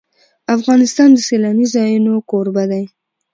افغانستان د سیلانی ځایونه کوربه دی.